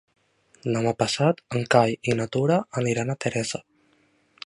Demà passat en Cai i na Tura aniran a Teresa.